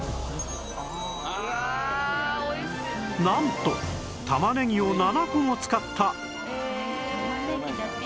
なんと玉ねぎを７個も使った